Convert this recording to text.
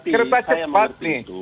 kereta cepat nih